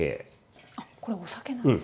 あっこれお酒なんですね。